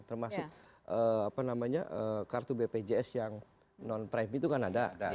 termasuk kartu bpjs yang non privi itu kan ada